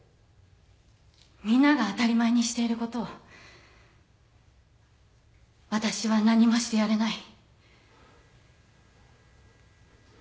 みんなが当たり前にしていることを私は何もしてやれない。